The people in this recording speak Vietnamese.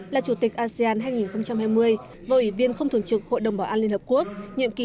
là chủ tịch asean hai nghìn hai mươi và ủy viên không thuần trực hội đồng bảo an liên hợp quốc